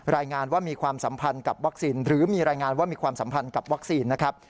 รายงานว่ามีความสัมพันธ์กับวัคซีนหรือมีรายงานว่ามีความสัมพันธ์กับวัคซีนนะครับ